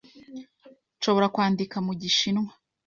Nshobora kwandika mu Gishinwa.